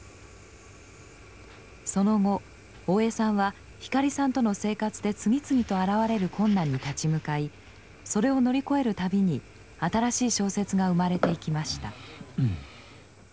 その後大江さんは光さんとの生活で次々と現れる困難に立ち向かいそれを乗り越える度に新しい小説が生まれていきました。